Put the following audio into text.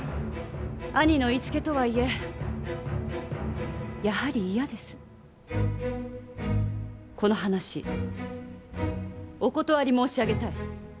兄の言いつけとはいえこの話お断り申し上げたい。